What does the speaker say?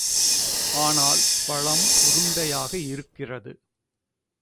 ஆனால் பழம் உருண்டையாக இருக்கிறது.